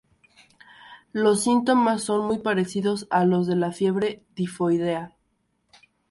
Los síntomas son muy parecidos a los de la fiebre tifoidea.